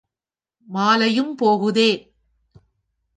மாலையும் போகுதே!